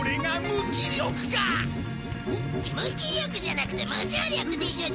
無気力じゃなくて無重力でしょ？